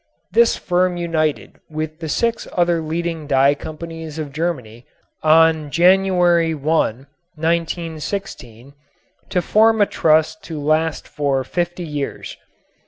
This firm united with the six other leading dye companies of Germany on January 1, 1916, to form a trust to last for fifty years.